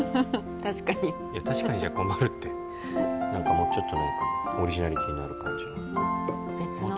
確かにいや確かにじゃ困るって何かもうちょっとないかオリジナリティーのある感じ別の？